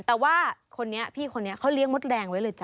แต่ว่าคนนี้พี่คนนี้เขาเลี้ยงมดแดงไว้เลยจ้